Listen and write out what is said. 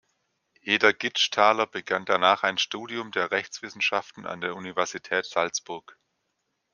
Eder-Gitschthaler begann danach ein Studium der Rechtswissenschaften an der Universität Salzburg.